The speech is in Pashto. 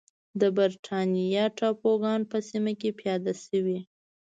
د برېټانیا ټاپوګان په سیمه کې پیاده شوې.